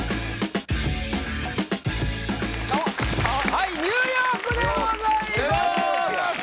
はいニューヨークでございます